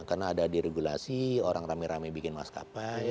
kebaikan regulasi orang rame rame bikin maskapai